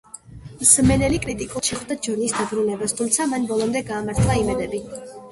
მსმენელი კრიტიკულად შეხვდა ჯონის დაბრუნებას, თუმცა მან ბოლომდე გაამართლა იმედები.